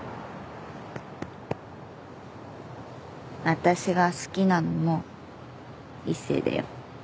私が好きなのも一星だよ。